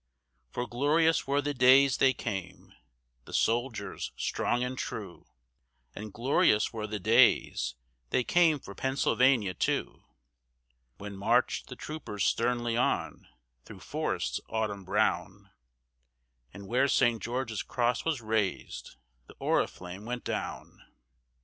For glorious were the days they came, the soldiers strong and true, And glorious were the days, they came for Pennsylvania, too; When marched the troopers sternly on through forest's autumn brown, And where St. George's cross was raised, the oriflame went down.